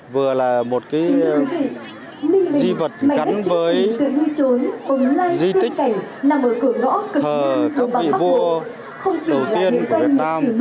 vừa là một di vật gắn với di tích thờ các vị vua đầu tiên của việt nam